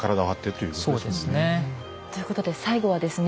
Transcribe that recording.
そうですね。ということで最後はですね